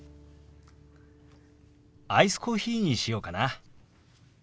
アイスコーヒーにしようかな。